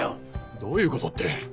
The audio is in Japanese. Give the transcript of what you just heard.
どういうことって。